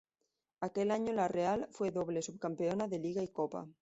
Aquel año la Real fue doble subcampeona, de Liga y Copa.